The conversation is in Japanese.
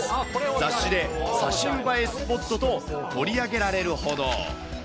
雑誌で最新映えスポットと取り上げられるほど。